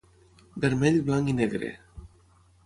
Vermell, blanc i negre.